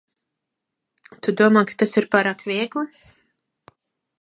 Tu domā, ka tas ir pārāk viegli?